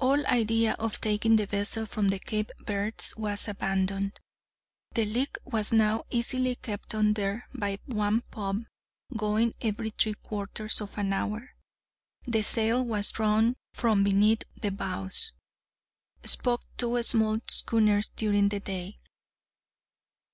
All idea of taking the vessel from the Cape Verds was abandoned. The leak was now easily kept under by one pump going every three quarters of an hour. The sail was drawn from beneath the bows. Spoke two small schooners during the day.